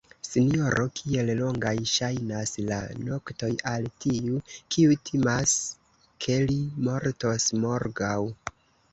sinjoro, kiel longaj ŝajnas la noktoj al tiu, kiu timas, ke li mortos morgaŭ!